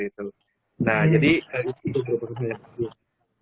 lebih dalam jadi kalau kita bisa mendapatkan pengetahuan kita bisa mendapatkan pengetahuan